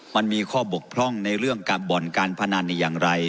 มันมีข้อบกพร่องในเรื่องการบ่อนการพนันอย่างไร